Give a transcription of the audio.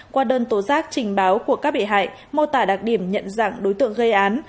qua đơn tố giác trình báo của các bị hại mô tả đặc điểm nhận dạng đối tượng gây án